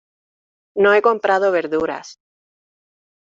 No he comprado verduras.